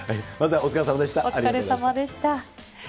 お疲れさまでした。